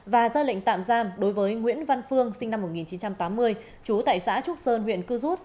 và ra lệnh tạm giam đối với nguyễn văn phương sinh năm một nghìn chín trăm tám mươi chú tại xã trúc sơn huyện cư rút